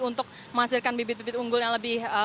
untuk menghasilkan bibit bibit unggul yang lebih